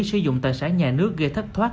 sử dụng tài sản nhà nước gây thất thoát